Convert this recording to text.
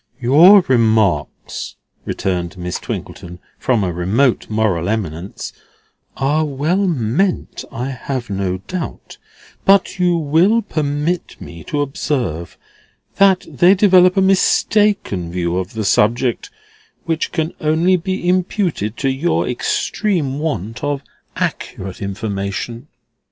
"Your remarks," returned Miss Twinkleton, from a remote moral eminence, "are well meant, I have no doubt; but you will permit me to observe that they develop a mistaken view of the subject, which can only be imputed to your extreme want of accurate information."